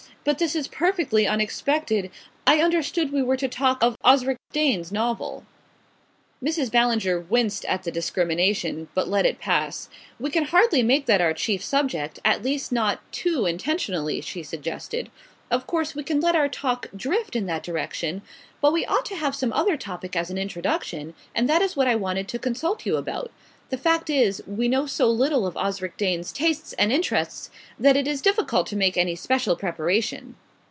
"But this is perfectly unexpected. I understood we were to talk of Osric Dane's novel." Mrs. Ballinger winced at the discrimination, but let it pass. "We can hardly make that our chief subject at least not too intentionally," she suggested. "Of course we can let our talk drift in that direction; but we ought to have some other topic as an introduction, and that is what I wanted to consult you about. The fact is, we know so little of Osric Dane's tastes and interests that it is difficult to make any special preparation."